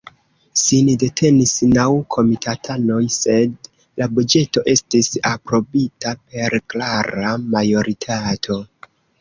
Sin detenis naŭ komitatanoj, sed la buĝeto estis aprobita per klara majoritato.